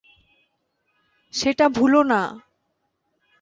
সেটা ভুলো না।